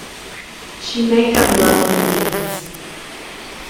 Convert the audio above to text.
She may have loved me once.